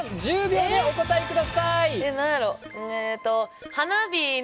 １０秒でお答えくださいえ